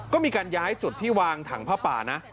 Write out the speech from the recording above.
ก็มีการย้ายจุดที่วางถังผ้าป่านะ